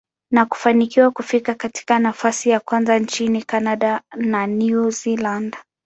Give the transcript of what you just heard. na kufanikiwa kufika katika nafasi ya kwanza nchini Canada na New Zealand.